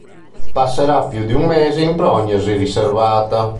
Passerà più di un mese in prognosi riservata.